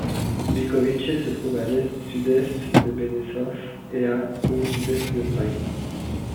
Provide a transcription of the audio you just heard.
Bílkovice se trouve à à l'est-sud-est de Benešov et à au sud-est de Prague.